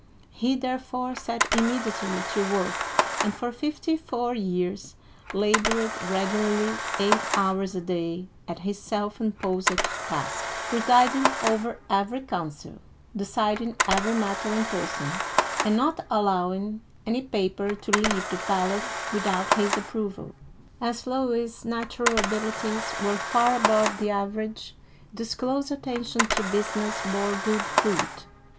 He therefore set immediately to work, and for fifty four years labored regularly eight hours a day at his self imposed ta:sk, presiding over every council, deciding every matter in person, and not allowing any paper to leave the palace without his approval. Digitized by Google LOUIS XIV. (1643 1715) 329 As Louis's natural abilities were far above the average, this close attention to business bore good fruit.